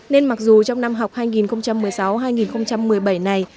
nên mặc dù trong năm học hai nghìn một mươi sáu hai nghìn một mươi bảy này